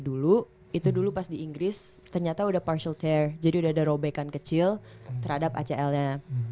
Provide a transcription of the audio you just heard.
dulu itu dulu pas di inggris ternyata udah partial care jadi udah ada robekan kecil terhadap acl nya